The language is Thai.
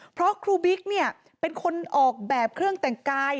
เพราะครูบิ๊กเนี่ยเป็นคนออกแบบเครื่องแต่งกาย